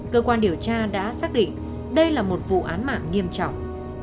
cơ quan điều tra đã xác định đây là một vụ án mạng nghiêm trọng